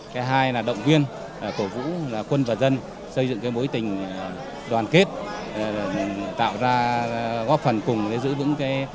cái hai là động viên cổ vũ quân và dân xây dựng cái bối tình đoàn kết tạo ra góp phần cùng để giữ vững cái